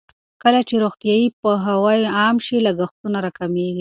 کله چې روغتیايي پوهاوی عام شي، لګښتونه راکمېږي.